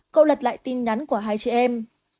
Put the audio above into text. cậu lật lại tin nhắn của hai chị em